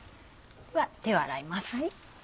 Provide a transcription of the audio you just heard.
では手を洗います。